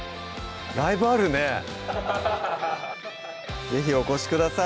ライブあるね是非お越しください